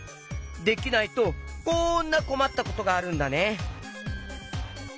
できないとこんなこまったことがあるんだね。